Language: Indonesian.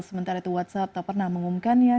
sementara itu whatsapp tak pernah mengumumkannya